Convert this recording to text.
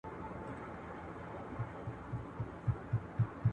تاسي ولي د پښتو په املا کي تغيیرات راوستي وه؟